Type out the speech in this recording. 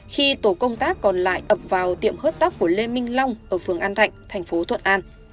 khi tổ công tác còn lại ập vào tiệm hớt tóc của lê minh long ở phường an thạnh thành phố thuận an